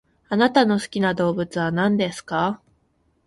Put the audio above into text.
あなたの好きな動物は何ですか？